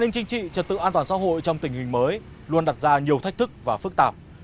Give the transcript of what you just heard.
an ninh chính trị trật tự an toàn xã hội trong tình hình mới luôn đặt ra nhiều thách thức và phức tạp